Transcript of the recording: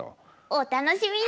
お楽しみに！